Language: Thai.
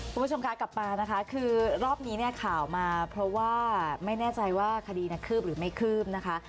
คุณผู้ชมคะกลับมานะคะคือรอบนี้เนี่ยข่าวมาเพราะว่าไม่แน่ใจว่าคดีคืบหรือไม่คืบนะคะ